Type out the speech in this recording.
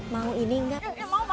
mau ini enggak